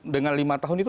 dengan lima tahun itu